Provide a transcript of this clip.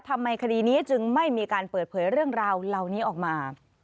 ทำไมคดีนี้จึงไม่มีการเปิดเผยเรื่องราวเหล่านี้ออกมา